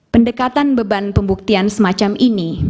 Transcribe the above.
pendekatan beban pembuktian semacam ini